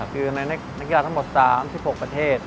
คือในนักกีฬาทั้งหมด๓๖ประเทศ